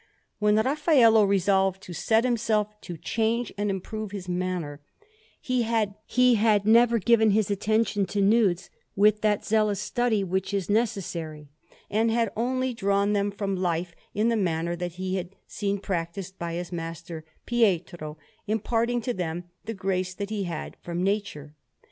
When Raffaello resolved to set himself to change and improve his manner, he had never given his attention to nudes with that zealous study which is necessary, and had only drawn them from life in the manner that he had seen practised by his master Pietro, imparting to them the grace that he had from nature.